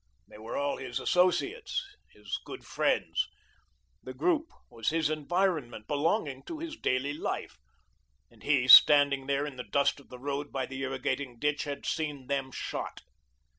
They were all his associates, his good friends, the group was his environment, belonging to his daily life. And he, standing there in the dust of the road by the irrigating ditch, had seen them shot.